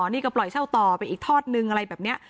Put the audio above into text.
มีอีกทอดหนึ่งอะไรแบบนี้